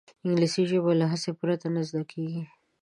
انګلیسي ژبه له هڅې پرته نه زده کېږي